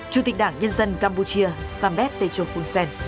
chủ tịch đảng nhân dân campuchia sambet techo khunsen